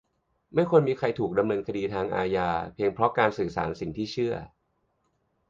- ไม่ควรมีใครถูกดำเนินคดีทางอาญาเพียงเพราะการสื่อสารสิ่งที่เชื่อ